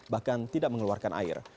bahkan tidak mengeluarkan air